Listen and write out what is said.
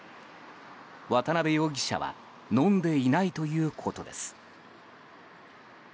渡邉容疑者は飲んでいないということです。